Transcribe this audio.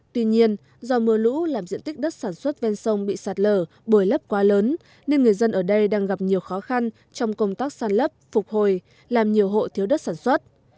tuy nhiên do mưa lũ làm diện tích đất sản xuất ven sông bị sạt lở bồi lấp quá lớn nên người dân ở đây đang gặp nhiều khó khăn trong công tác sàn lấp phục hồi làm nhiều hộ thiếu đất sản xuất